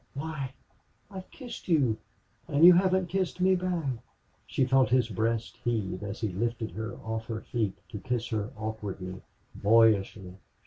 Why, I've kissed you!... and you haven't kissed me back." She felt his breast heave as he lifted her off her feet to kiss her awkwardly, boyishly.